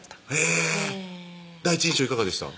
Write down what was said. へぇ第一印象いかがでした？